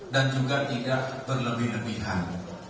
dan juga tidak berlebih lebihan